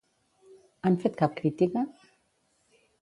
Han fet cap crítica?